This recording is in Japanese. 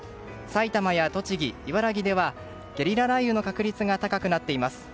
埼玉や栃木、茨城ではゲリラ雷雨の確立が高くなっています。